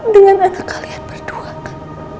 dengan anak kalian berdua kan